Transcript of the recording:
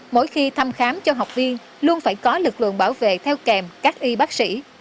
mỗi khi thăm khám cho học viên luôn phải có lực lượng bảo vệ theo kèm các y bác sĩ